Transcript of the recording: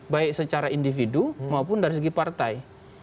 baik secara individu maupun dari segi partai